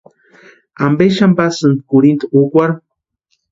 ¿Ampe xani pasíni kurhinta úkwarhu?